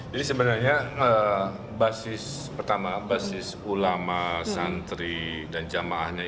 jadi sebenarnya basis pertama basis ulama santri dan jamaahnya